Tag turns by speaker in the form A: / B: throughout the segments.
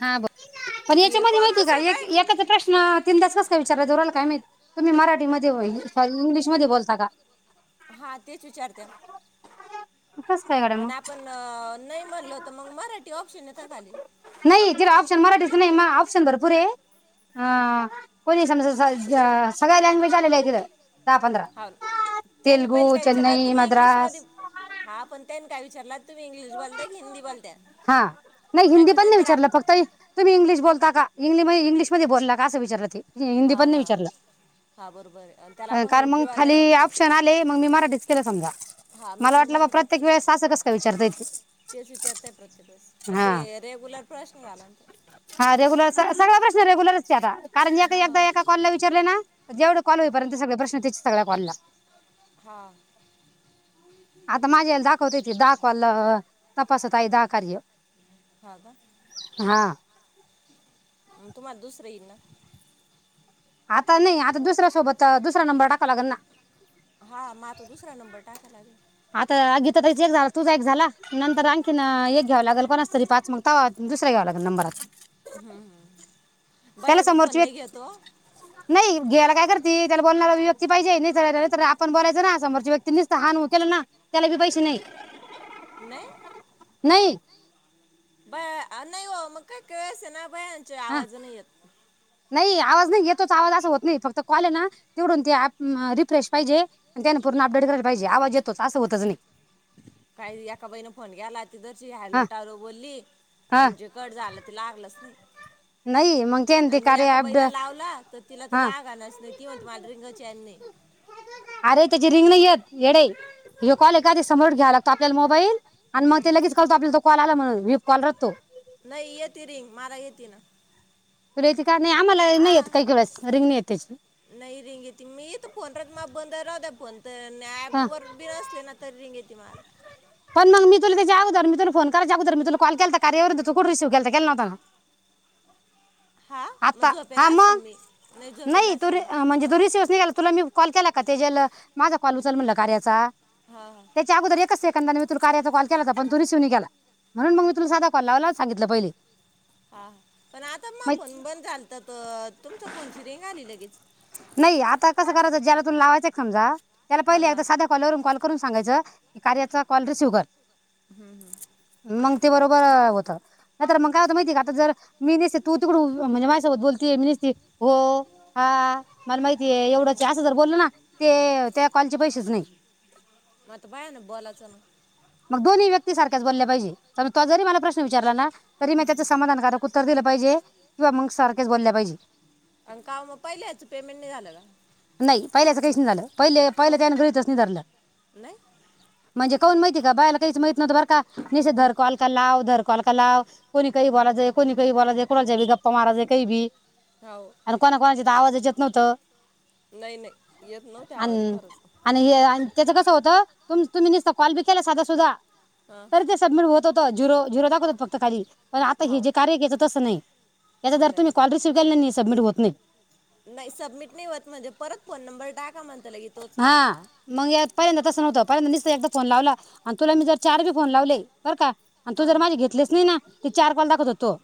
A: हा बघ पण
B: ये
A: याच्यामध्ये
B: कॉल
A: माहिती का
B: दुसरे
A: एक
B: बाय
A: एकाचा प्रश्न तीन दा कस काय विचाराय जो राहिला काय माहित. तुम्ही मराठीमध्ये व्हई इंग्लिशमध्ये बोलता का?
B: हा तेच विचारते.
A: कस काय गड्या
B: आणि
A: मग
B: आपण नाही म्हणलो तर मग मराठी ऑप्शन आहे.
A: नाही झिरो ऑप्शन मराठीच नाही मा ऑप्शन भरपूर आहे, हा कुणी समजा जा
B: हा त्यांनी पहिले
A: तेलगू
B: काय विचारलं
A: चेन्नई
B: तुम्ही इंग्लिश मध्ये
A: मद्रास
B: हा पण त्यानी काय विचारला तुम्ही इंग्लिश बोलताय की हिंदी बोलताय
A: हा नाही हिंदी पण नाही
B: त्याच्यानंतर आप
A: विचारलं, फक्त तुम्ही इंग्लिश बोलता का? इगलि इंग्लिशमध्ये बोलला असं विचारलं ते? हिंदी
B: हा
A: पण नाही
B: हा
A: विचारलं
B: हा बरोबर आहे आणि त्याला आपण हो
A: कारण मग
B: किंवा नाही
A: खाली ऑप्शन आले मग मी मराठीच केलं समजा.
B: हा मी
A: मला
B: पण
A: वाटलं बा
B: मराठीच
A: प्रत्येक
B: आहे.
A: वेळेस आस कस का विचारता येई.
B: तेच विचारतय प्रत्येकच मग
A: हा
B: ते, रेगुलर प्रश्न झालांत
A: हा रेग्युलर सगळा प्रश्न रेग्युलरच कारण एकदा एका कॉलला विचारले ना जेवढं कॉल होईपर्यंत सगळे प्रश्नच सगळ्या कॉलला,
B: हा,
A: आता माझ्या याला दाखवते ते दहा कॉल तपासत आहे, दहा कार्य
B: हा का
A: हा
B: तुम्हाला दुसरे येईल ना.
A: आता नाही आता दुसऱ्यासोबत दुसरा नंबर टाकाव लागेल ना.
B: हा म तो दुसरा नंबर टाकाय लागेल.
A: त्या एक झाला तुझा एक झाला नंतर आणखीन एक घ्याववा लागेल कोणा तरी पाच मग तावा दुसरा्या घ्यावा लागल नंबरचा.
B: हम्म हम्म
A: त्याला
B: भैय्या भी फोन
A: समोरची व्यक्ती
B: नाही घेतो.
A: नाही घ्यायला काय करते त्याला बोलणारी व्यक्ती पाहिजे नाही नाही तर आपण बोलायचं ना समोरच्या व्यक्ती निसत हा न हू केला ना त्याला बी पैसे नाही.
B: नाही.
A: नाही.
B: ब आ नाही मग काय कस ना. पयाचे
A: हा
B: आवाज नाही येत.
A: नाही आवाज नाही येतोच आवाज असा होत नाही फक्त कॉल आहे ना तेवडून ते रिफ्रेश पाहिजे त्याने पूर्ण अपडेट करायला पाहिजे आवाज येतोच असं होतच नाही.
B: काही एका बईण फोन घ्याला. तिरची
A: हा
B: हलोटावर बोलली
A: हा
B: आणि जे कड झालं ते लागलंच नाही.
A: नाही मग ते ते
B: आणि
A: कारे
B: एका
A: अड
B: बाईला लावला तर तिला तर
A: हा
B: लागानच नाही ती म्हणते मला रिंगाची आणि नाही
A: अरे त्याची रिंग नाही येत येडे हे कॉल एखाद समोर घ्यावा लागतो आपल्याला मोबाईल आणि मग ते लगेच कळतो आपला तो कॉल आला म्हण व्हीप कॉल रतो.
B: नाही येति रिंग मारा घेत ना.
A: प्रती
B: ह
A: त्याची
B: नाही रिंग त मीेत पनात मा बंद रा तर ऍप
A: हा
B: वर बिर असले ना तर रिंग इततेमल
A: पण मग मी तुला त्याच्या अगोदर मी तुला फोन करायच्या अगोदर मी तुला कॉल केलता कार्यावरून तू कोण रिसीव्ह केता के नाव
B: हा मग
A: आता
B: झोपेला
A: हा
B: असेल
A: मग
B: मी झोपेला
A: नाही तु
B: असेल मी
A: म्हणजे दोन्स दिवस निघाला तुला मी कॉल केला. का तेजल माझा कॉल उचल म्हणला कार्याचा
B: हा हा
A: त्याच्या अगोदर एकच. मी तू कार्याचा कॉ केला हो पण तू रिसिनी केला म्हून मी तुला साधा कॉल लावला सांगितलं पहिले.
B: हा पण आता म
A: मग
B: फन ब पण चालत तुमच फनची रिंग आली लगेच.
A: तूला लावायच समजा. त्याला
B: हा
A: पहिले
B: ना हा
A: एकदा
B: ना.
A: साध्या कॉलवरून कॉल करून सा सांगायचं की कार्याचा कॉल रिसिव कर
B: हम्म हम्म.
A: मग ते बरोबर होत नाही तर मग काय आता माहिती का आता जर मी नेसे तू तिकडू. म्हणजे माझ्यासोबत बोलते मीनीसते हो हा मला माहितीय एवढंच असं ज बोलल ना ते त्या कॉलेचे पैसेच नाही.
B: मग आता बाया ना बोलायचं ना
A: मग दोन्ही व्यक्ती सारख्याच बोलल्या पाहिजे. तर तो जरी मला प्रश्न विचारला ना. तरी मी त्याच समाधान कराक उत्तर दिलं. बजे. किंवा मग सारख्याच बोलल्या पाहिजे.
B: आणि का मग पहिल्या ह्याचं पेमेंट नाही झालं का
A: नाही पहिल्याच काही नि झालं पहि पहिलं
B: कहू
A: त्यान गृहीतच नि धरलं
B: नाही
A: म्हणजे काऊन माहिती का बायला काही माहित न्हत बर का.
B: हम्म.
A: निचेधर को हलका लावधर [unintelligible] एकमेकाला कोणी काही बोलायचं कोणी काही बोलायचं कुणाच्या बी गप्पा. तुम्हाारा जे काही भी.
B: हो
A: आणि कोणा कोणाची तर आवाजच येत. नव्हतं.
B: नाही नाही येत नव्हते आवाज
A: आन
B: खरंच
A: आणि हे त्याच कसं होतं तु तुम्ही नुसत कॉल बी केला साध सुधा
B: हां
A: तरी ते सबमिट होत हो‌ झिरो झिरो दाखवतात फक्त खाली. पण आता हे
B: हो
A: जे कार्य हेज तसं नाही. याचा जर तुम्ही
B: नाही.
A: कॉल रिसिव्ह केला नाही सबमिट होत नाही
B: नाही सबमिट नाही होत म्हणजे परत फोन नंबर टाक कमल
A: हा मंगयात पहिल्यांदा तस नवतं. पहिल्यांदा निसता एकदा फोन लावला आणि तुला मी जर चारबी फोन लावले, बर का आणि तू
B: हां
A: जर माझे घेतलेच नाही ना चार कॉल दाखवत होतो.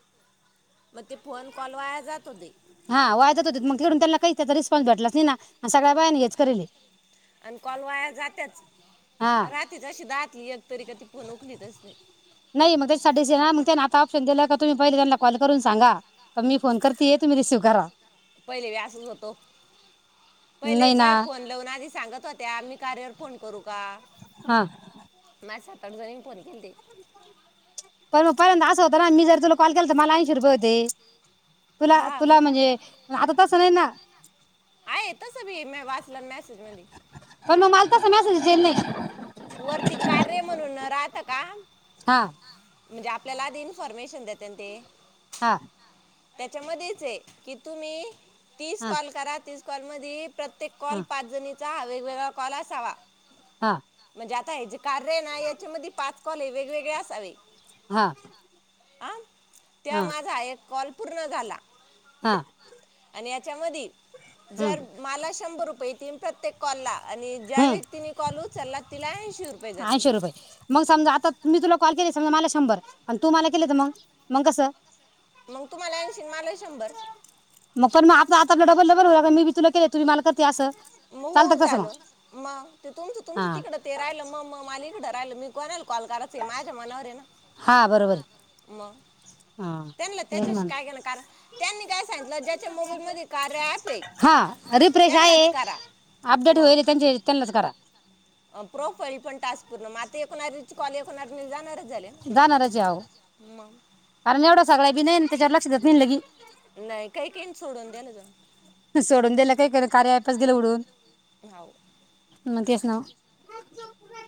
B: म ते फोन कॉल वाया जात होते.
A: तिकडूून त्यां काही त्याचा रिस्पॉन्स भेटलाच नाही ना, सग्याळ्या बाया करले.
B: आणि कॉल वाया जातेच.
A: हा
B: राती अशी दात एकतरी ती फोन उखलीत नसते.
A: नाही मग त्याचसाठी ना मग त्याने आप्शन दिलं का तुम्ही पहिले त्यां कॉल करून सांगा, की मी फोन करतेय तुम्ही रिसीव्ह करा.
B: पहिले बी असचं होतो. पहिले
A: नाही ना
B: बाय फोन लावून आधी सांगत होत्या मी कार्य वर फोन करू का?
A: हा.
B: माझ सात, आठ जणीनी फोन केलेते.
A: पण मग पर्यंत असं होत ना मी जर तुला कॉल केला तर मला ऐंशी रुपये होते. तुला
B: हा
A: तुला
B: मग
A: म्हणजे आता तसं नाही ना.
B: आहे तस भी मी वाचलाना मेसेज मधी,
A: पण मग मला तसं मेसेज येईल नाही
B: वरती कार्य म्हणून राह का
A: हा.
B: म्हणजे आपल्याला आधी इन्फॉर्मेशन देतेन ते.
A: हा.
B: त्याच्यामध्येच आहे की तुम्ही तीस
A: हा
B: कॉल करा. तीस कॉल मध्ये प्रत्येक कॉल
A: हा
B: पाच जणी हा वेगवेगळा कॉल असावा.
A: हा.
B: जे आता आहे जे कार्य ना याच्यामध्ये पाच. कॉले वेगवेगळे असावे.
A: हा.
B: आं. ते
A: हा
B: माझा एक कॉल. पूर्ण झाला.
A: हा.
B: आणि यांच्यामध्ये.
A: हम्म
B: जर मला शंभर रुपये तीन प्रत्येक. कॉलला. आणि ज्या
A: हम्म
B: व्यक्तीनी कॉल उचलला तिला ऐंशी रुपये जातीत.
A: ऐंशी तर मला शंभर पण तू मला केले तर मग मग कसं.
B: मग तुम्हाला ऐंशी आणि मला शंभर
A: मग पण मग आपलं आता आपला डबल डबल होणार का मी बी तुला केले. [unintelligible]
B: मगं
A: चालतं
B: होऊ
A: कसं मग
B: झालं. मग ते तुमचं तुमच
A: हा
B: तिकडं ते राहिलं मग मग मला इकडं राहिलं मी. [unintelligible] कॉल करायच ये माझ्या मनावर आहे ना
A: हा बरोबर आहे
B: मग.
A: हा
B: त्यांला
A: तेच
B: त्याच्याशी
A: म्हण
B: काय घेण कारण त्यांनी काय सांगितलं ज्याच्या मोबाईल मधी कार्या अँप ये
A: हा रिफ्रेश आहे
B: त्यांलाच
A: अपडेट होईल त्यांच्यात त्यांनीच करा.
B: अ प्रोफाईल पण टास्क पूर्ण [unintelligible] [unintelligible] कॉल [unintelligible] जाणारच झाले ना
A: जाणारच ये आओ
B: मग
A: कारण एवढा सगळा बी नाही त्याच्यावर लक्ष देत नाही लगी.
B: नाही काही काही सोडून द्या ना तुम्ही.
A: काय केल कार्या अँप च गेल उडून.
B: [inaudible]
A: मगं तेच ना.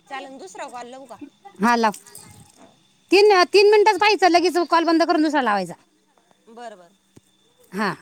B: चालल दुसरा कॉल लावू का.
A: हा लाव तीन तीन मिनिटच पाहिच लगेच कॉल बंद करून दुसरालावायचा.
B: बरं बरं
A: हां.